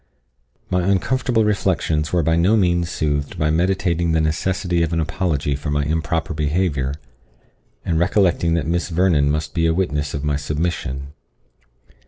My uncomfortable reflections were by no means soothed by meditating the necessity of an apology for my improper behaviour, and recollecting that Miss Vernon must be a witness of my submission.